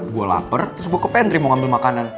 gue laper terus gue ke pantry mau ngambil makanan